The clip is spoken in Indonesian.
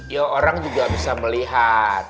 ya orang juga bisa melihat